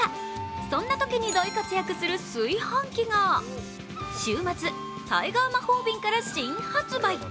そんなときに大活躍する炊飯器が、週末、タイガー魔法瓶から新発売。